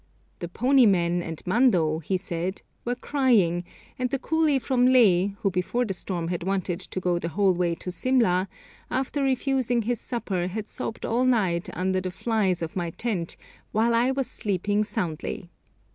'The pony men' and Mando, he said, were crying, and the coolie from Leh, who before the storm had wanted to go the whole way to Simla, after refusing his supper had sobbed all night under the 'flys' of my tent, while I was sleeping soundly.